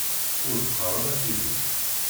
Ur d-qqar ara tidet.